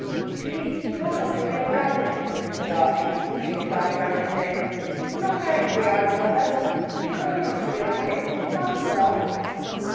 'You see you're not a real governess,' said Archie, putting his arm round her neck. 'You're not angry, are you, mother? Because you're not a real one it's more fun for us.'